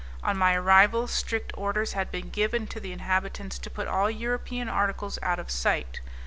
On my arrival, strict orders had been given to the inhabitants to put all European articles out of sight.